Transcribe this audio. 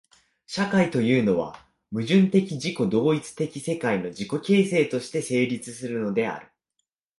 社会というのは、矛盾的自己同一的世界の自己形成として成立するのである。